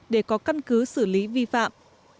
để có căn cứ xử lý vi phạm